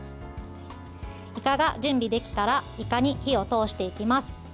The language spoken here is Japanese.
いかが準備できたらいかに火を通していきます。